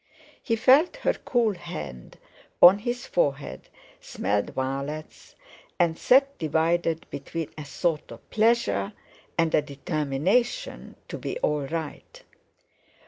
He felt her cool hand on his forehead, smelled violets, and sat divided between a sort of pleasure and a determination to be all right.